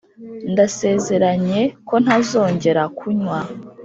ndasezeranye ko ntazongera kunywa.